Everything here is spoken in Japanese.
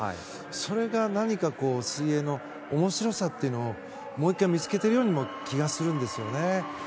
それが何か水泳の面白さというのをもう１回見つけているような気がするんですよね。